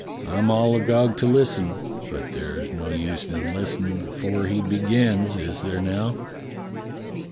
I'm all agog to listen, but there's no use in listenin' afore he begins, is there now?"